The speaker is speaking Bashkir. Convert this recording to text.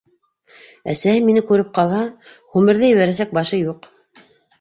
- Әсәһе мине күреп ҡалһа, ғүмерҙә ебәрәсәк башы юҡ.